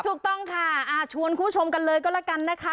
ถูกต้องค่ะชวนคุณผู้ชมกันเลยก็แล้วกันนะคะ